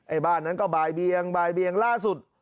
บ้านนั้นก็บ่ายเบียงบ่ายเบียงล่าสุด